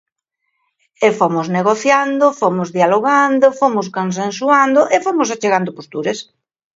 E fomos negociando, fomos dialogando, fomos consensuando e fomos achegando posturas.